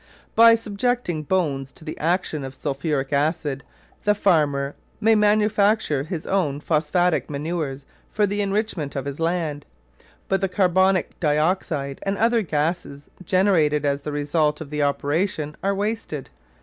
By subjecting bones to the action of sulphuric acid the farmer may manufacture his own phosphatic manures for the enrichment of his land. But the carbonic dioxide and other gases generated as the result of the operation are wasted.